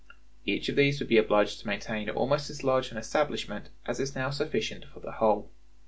Each of these would be obliged to maintain almost as large an establishment as is now sufficient for the whole.